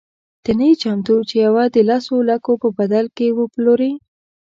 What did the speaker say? ته نه یې چمتو چې یوه د لسو لکو په بدل کې وپلورې.